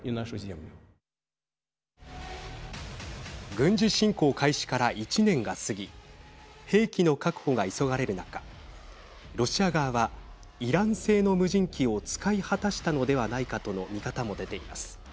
軍事侵攻開始から１年が過ぎ兵器の確保が急がれる中ロシア側はイラン製の無人機を使い果たしたのではないかとの見方も出ています。